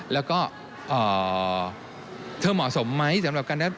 แล้วก็เธอเหมาะสมไหมสำหรับการได้